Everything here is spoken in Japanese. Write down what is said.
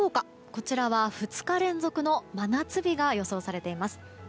こちらは２日連続の真夏日が予想されています。